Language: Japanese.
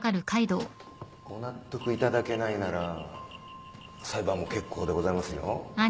ご納得いただけないなら裁判も結構でございますよ。